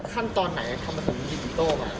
ท่านตอนไหนท่านมาถึงดินโตปะ